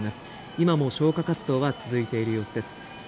今も消火活動は続いている様子です。